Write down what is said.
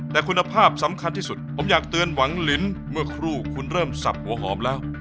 แต่คุณภาพสำคัญที่สุดผมอยากเตือนหวังลิ้นเมื่อครูคุณเริ่มสับหัวหอมแล้ว